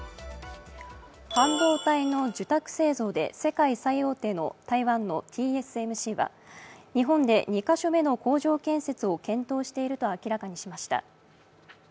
半導体の受託製造で世界最大手の台湾のＴＳＭＣは日本で２か所目の工場建設を検討していると明らかにしました。